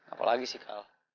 apalagi sih kal